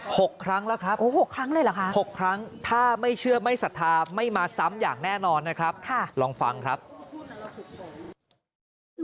หกครั้งแล้วครับหกครั้งถ้าไม่เชื่อไม่ศรัทธาไม่มาซ้ำอย่างแน่นอนนะครับลองฟังครับค่ะ